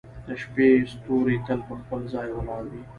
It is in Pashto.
• د شپې ستوري تل په خپل ځای ولاړ وي.